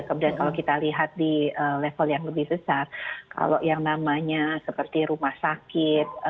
kemudian kalau kita lihat di level yang lebih besar kalau yang namanya seperti rumah sakit